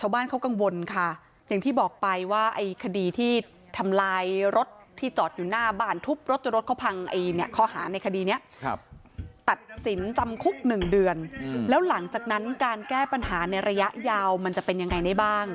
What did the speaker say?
บ้านเขากังวลค่ะอย่างที่บอกไปว่าไอ้คดีที่ทำลายรถที่จอดอยู่หน้าบ้านทุบรถจนรถเขาพังข้อหาในคดีนี้ตัดสินจำคุก๑เดือนแล้วหลังจากนั้นการแก้ปัญหาในระยะยาวมันจะเป็นยังไงได้บ้าง